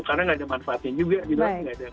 karena tidak ada manfaatnya juga